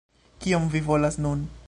Kion vi volas nun?